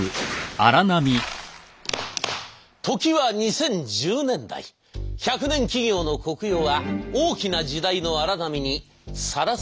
時は２０１０年代１００年企業のコクヨは大きな時代の荒波にさらされておりました。